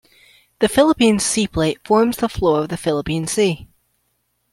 The Philippine Sea Plate forms the floor of the Philippine Sea.